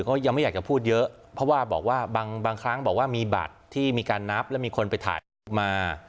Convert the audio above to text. เขายังไม่อยากจะพูดเยอะเพราะว่าบอกว่าบางครั้งบอกว่ามีบัตรที่มีการนับแล้วมีคนไปถ่ายรูปมา